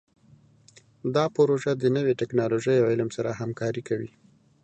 دا پروژه د نوي ټکنالوژۍ او علم سره همکاري کوي.